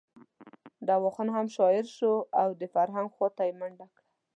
دوا خان هم شاعر شو او د فرهنګ خواته یې منډه کړه.